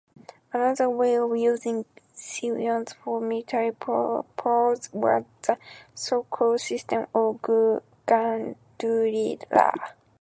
Another way of using civilians for military purposes was the so-called system of "Gandira".